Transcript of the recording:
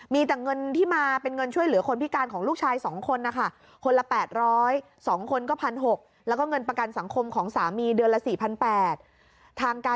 มีแต่เงินที่มาเป็นเงินช่วยเหลือคนพิการของลูกชาย๒คนน่ะค่ะคนละ๘๐๐๒คนก็พัน๖แล้วก็เงินประกันสังคมของสามีเดือนละ๔๘๐๐